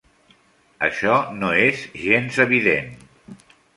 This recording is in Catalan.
Això no és gens evident.